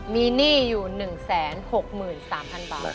มีหนี้อยู่๑๖๓๐๐๐บาท